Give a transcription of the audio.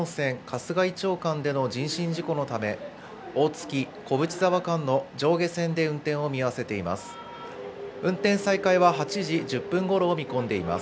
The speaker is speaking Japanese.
中央本線は石和温泉・かすがい町間での人身事故のため、大月・小淵沢間の上下線で運転を見合わせています。